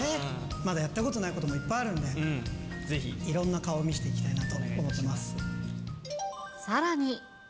まだやったことないこともいっぱいあるんで、ぜひいろんな顔を見せていきたいさらに。